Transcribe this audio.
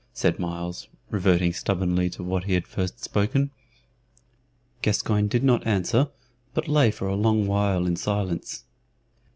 said Myles, reverting stubbornly to what he had first spoken. Gascoyne did not answer, but lay for a long while in silence.